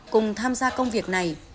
cùng tham gia công việc này